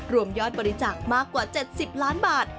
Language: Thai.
รวมยอดบริจาคมากกว่า๗๐ล้านบาท